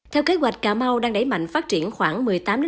theo kế hoạch cà mau đang đẩy mạnh phát triển khoảng một mươi tám hai mươi